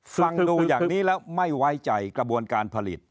ฟังดูอย่างนี้แล้วไม่ไว้ใจกระบวนการผลิต